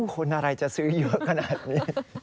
คุณอะไรจะซื้อเยอะขนาดนี้